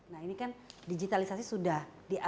nah ini kan digitalisasi sudah diatur